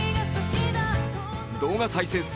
動画再生数